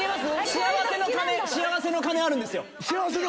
幸せの鐘あるんですよ。